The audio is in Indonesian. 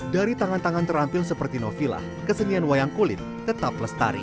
dari tangan tangan terampil seperti novilah kesenian wayang kulit tetap lestari